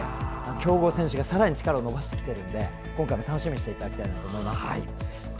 強豪選手がさらに力を伸ばしてきているので今回も楽しみにしていただきたいと思います。